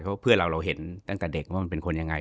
เพราะเพื่อนเราเราเห็นตั้งแต่เด็กว่ามันเป็นคนยังไง